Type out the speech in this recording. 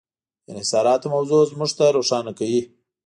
د انحصاراتو موضوع موږ ته روښانه کوي.